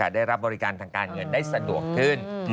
ได้รับบริการทางการเงินได้สะดวกขึ้น